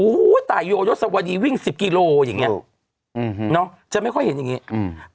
โอ้โหตายโยยศวดีวิ่งสิบกิโลอย่างเงี้ยอืมเนอะจะไม่ค่อยเห็นอย่างงี้อืม